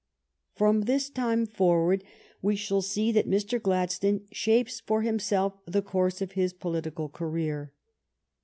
From this time forward we shall see that Mr. Gladstone shapes for himself the course of his political career.